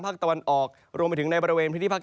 ตะวันออกรวมไปถึงในบริเวณพื้นที่ภาค๗